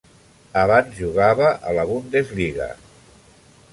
Abans jugava a la Bundesliga.